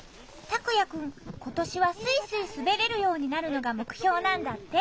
たくや君今年はスイスイ滑れるようになるのが目標なんだって。